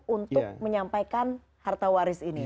untuk menyampaikan harta waris ini